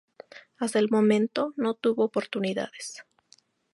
Hasta el momento, no tuvo oportunidades.